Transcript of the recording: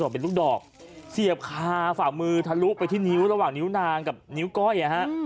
เป็นลูกดอกเสียบคาฝ่ามือทะลุไปที่นิ้วระหว่างนิ้วนางกับนิ้วก้อย